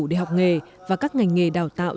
để học nghề và các ngành nghề đào tạo